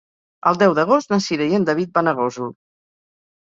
El deu d'agost na Cira i en David van a Gósol.